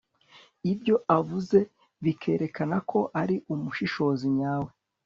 ibyo avuze bikerekana ko ari umushishozi nyawe